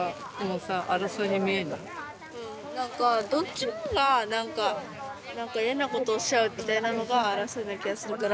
何かどっちもが何か何か嫌なことをしちゃうみたいなのが争いな気がするから。